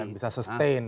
dan bisa sustain